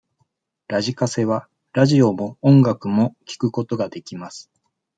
ラジカセはラジオも音楽も聞くことができます。